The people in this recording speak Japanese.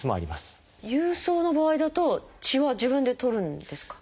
郵送の場合だと血は自分で採るんですか？